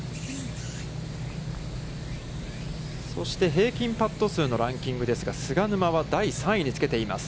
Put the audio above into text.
そして平均パット数のランキングですが菅沼は第３位につけています。